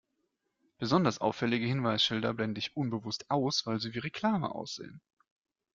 Besonders auffällige Hinweisschilder blende ich unbewusst aus, weil sie wie Reklame aussehen.